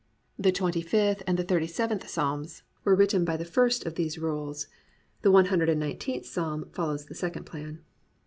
The Twenty fifth and the Thirty seventh Psalms were written by the first of these rules; the One Hundred and Nineteenth Psalm follows the second plan.